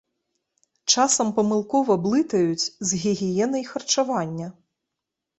Часам памылкова блытаюць з гігіенай харчавання.